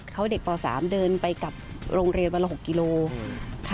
เขาเด็กป๓เดินไปกับโรงเรียนวันละ๖กิโล